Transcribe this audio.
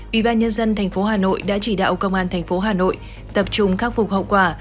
ủy ban nhân dân tp hà nội đã chỉ đạo công an thành phố hà nội tập trung khắc phục hậu quả